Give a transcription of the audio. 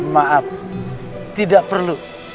maaf tidak perlu